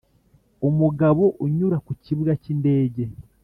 umugabo unyura ku kibuga cy'indege